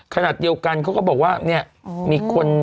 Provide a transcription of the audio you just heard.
ขนาดเดียวกันเขาก็บอกว่าเนี่ยมีคน